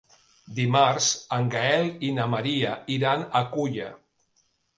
Dimarts en Gaël i na Maria iran a Culla.